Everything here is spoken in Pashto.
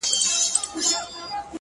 د زړو غمونو یاري ـ انډيوالي د دردونو ـ